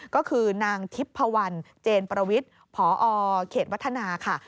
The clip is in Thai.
ก็คือนางทิพพวันเจนประวิทย์พอเขตวัฒนาค่ะ